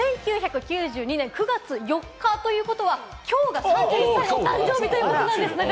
そして１９９２年９月４日ということは、きょうが３１歳の誕生日ということなんです。